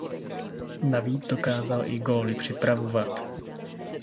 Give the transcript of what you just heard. Navíc dokázal i góly připravovat.